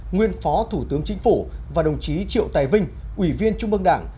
nguyên phó thủ tướng chính phủ và đồng chí triệu tài vinh ủy viên trung ương đảng